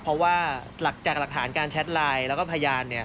เพราะว่าจากหลักฐานการแชทไลน์แล้วก็พยาน